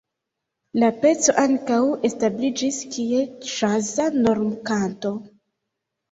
La peco ankaŭ establiĝis kiel ĵaza normkanto.